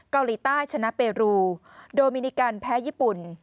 เกาหลีใต้ชนะเปรูโดมินิกันแพ้ญี่ปุ่น